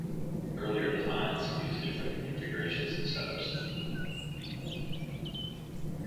Earlier designs used different configurations and setups.